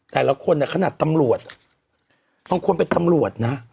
แต่ละคนเนี้ยขนาดตำรวจต้องควรเป็นตำรวจนะ